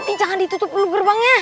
mas riki jangan ditutup lu gerbangnya